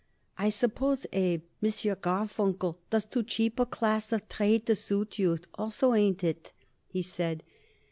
"I suppose, Abe, M. Garfunkel does too cheap a class of trade to suit you, also. Ain't it?" he said.